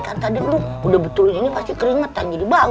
kan tadi udah betulin ini pasti keringetan jadi bau